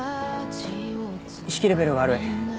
意識レベルが悪い。